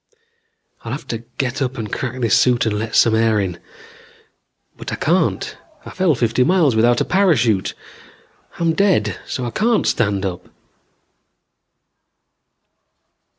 "I'll have to get up and crack this suit and let some air in. But I can't. I fell fifty miles without a parachute. I'm dead so I can't stand up."